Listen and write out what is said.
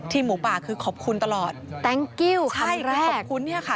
ทีมหมูปากคือขอบคุณตลอดคำแรกใช่ขอบคุณเนี่ยค่ะ